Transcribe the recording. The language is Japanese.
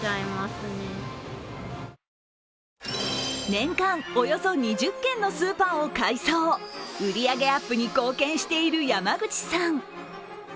年間およそ２０軒のスーパーを改装、売り上げアップに貢献している山口さん。